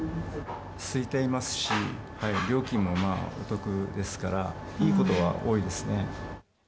すいていますし、料金もお得ですから、いいことは多いですね。